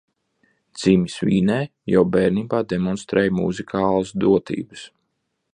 Dzimis Vīnē, jau bērnībā demonstrēja muzikālas dotības.